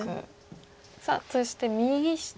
さあそして右下。